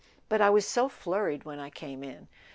But I was so flurried when I came in."